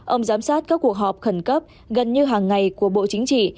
ông giám sát các cuộc họp khẩn cấp gần như hàng ngày của bộ chính trị